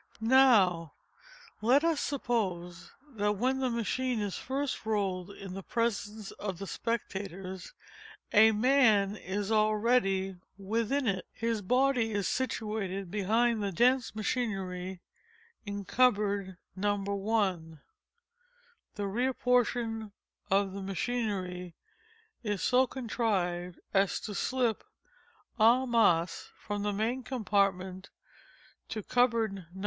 Now, let us suppose that when the machine is first rolled into the presence of the spectators, a man is already within it. His body is situated behind the dense machinery in cupboard No. T. (the rear portion of which machinery is so contrived as to slip _en masse, _from the main compartment to the cupboard No.